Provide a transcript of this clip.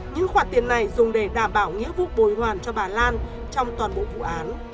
những khoản tiền này dùng để đảm bảo nghĩa vụ bồi hoàn cho bà lan trong toàn bộ vụ án